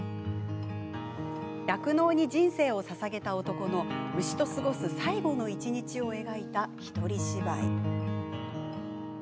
酪農に人生をささげた男の牛と過ごす最後の一日を描いた一人芝居。